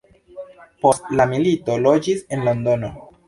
Post la milito loĝis en Londono.